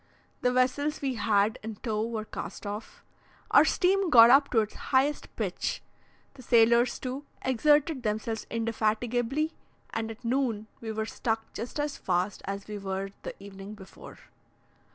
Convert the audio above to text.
The vessels we had in tow were cast off, our steam got up to its highest pitch; the sailors, too, exerted themselves indefatigably, and at noon we were stuck just as fast as we were the evening before.